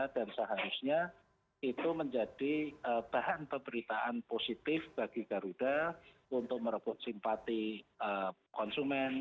dan seharusnya itu menjadi bahan pemberitaan positif bagi garuda untuk merebut simpati konsumen